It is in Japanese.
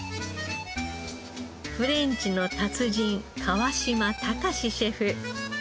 フレンチの達人川島孝シェフ。